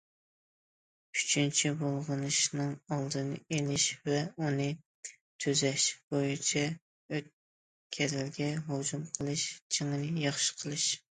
ئۈچىنچى، بۇلغىنىشنىڭ ئالدىنى ئېلىش ۋە ئۇنى تۈزەش بويىچە ئۆتكەلگە ھۇجۇم قىلىش جېڭىنى ياخشى قىلىش.